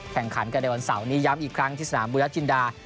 แข่งขันกันในวันเสาร์นี้ย้ำอีกครั้งที่สนามบูรจินดา